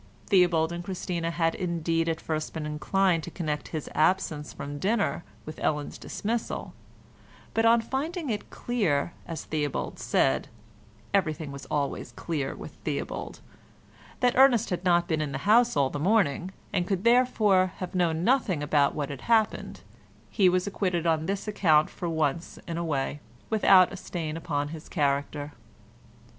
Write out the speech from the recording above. Theobald and Christina had indeed at first been inclined to connect his absence from dinner with Ellen's dismissal, but on finding it clear, as Theobald said—everything was always clear with Theobald—that Ernest had not been in the house all the morning, and could therefore have known nothing of what had happened, he was acquitted on this account for once in a way, without a stain upon his character.